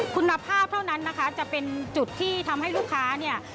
คุณภาพเท่านั้นนะคะจะเป็นจุดที่ทำให้ลูกค้าเนี่ย